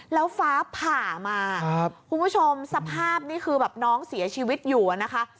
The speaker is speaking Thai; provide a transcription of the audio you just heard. แล้วฟ้าผ่ามาคุณผู้ชมสภาพนี่คือแบบน้องเสียชีวิตอยู่นะคะ